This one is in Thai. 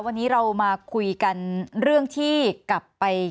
วันนี้เรามาคุยกันเรื่องที่